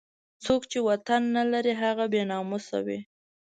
څوک چې وطن نه لري هغه بې ناموسه وي.